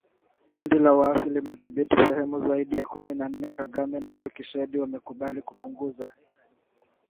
Kundi la Waasi limedhibiti sehemu zaidi ya kumi na nne, Kagame na Tshisekedi wamekubali kupunguza uhasama